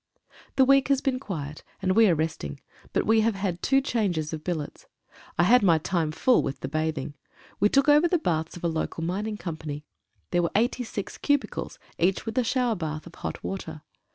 HE week has been quiet, as we are resting, but we have had two changes of billets. I had my time full with the bathing. We took over the baths of a local mining company. There were eighty six cubicles, each with a shower bath of hot water.